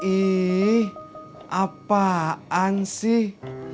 ih apaan sih